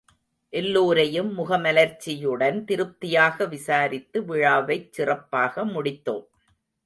எல்லோரையும் முகமலர்ச்சியுடன் திருப்தியாகவிசாரித்து விழாவைச் சிறப்பாகமுடித்தோம்.